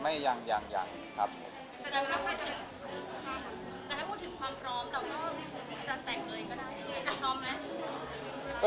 แต่ถ้าพูดถึงความพร้อมกับการแต่งเงินก็ได้พร้อมไหม